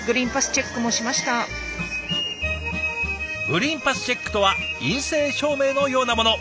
グリーンパスチェックとは陰性証明のようなもの。